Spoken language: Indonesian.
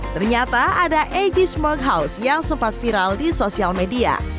ternyata ada egy smart house yang sempat viral di sosial media